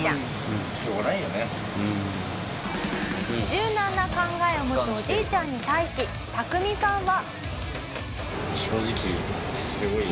柔軟な考えを持つおじいちゃんに対しタクミさんは。